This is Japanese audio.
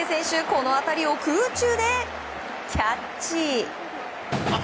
この当たりを空中でキャッチ！